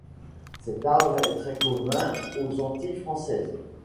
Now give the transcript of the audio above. Cet arbre est très commun aux Antilles françaises.